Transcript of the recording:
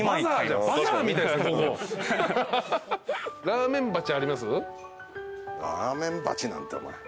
ラーメン鉢なんてお前。